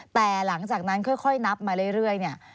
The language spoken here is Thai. แต่หลังจากนั้นค่อยนับมาเรื่อยเนี่ย